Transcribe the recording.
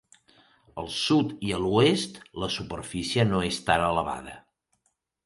Al sud i a l'oest, la superfície no és tan elevada.